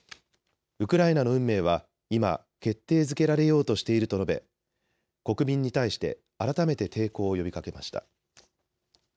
ウクライナの運命は今、決定づけられようとしていると述べ国民に対して改めて抵抗を呼びかけました。